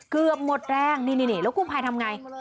เกือบหมดแรงนี่แล้วกู้ภัยทำไง